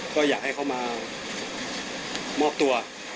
ก็อยากให้เขามามอบตัว